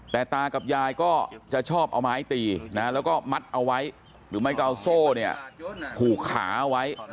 แต่ตากับยายก็จะชอบเอาไม้ตีนะแล้วก็มัดเอาไว้หรือไม่ก็เอาโซ่เนี่ยผูกขาเอาไว้